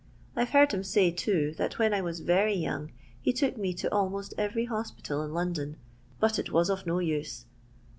I 've heard him say, too, that when I was very young he took me to almost every hospital in London, but it was of no use.